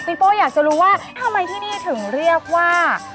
โป้อยากจะรู้ว่าทำไมที่นี่ถึงเรียกว่า